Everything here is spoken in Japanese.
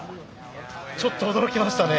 ちょっと驚きましたね。